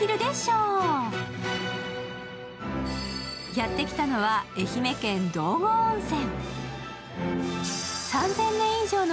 やってきたのは愛媛県・道後温泉。